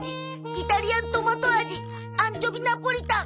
イタリアントマト味アンチョビナポリタン。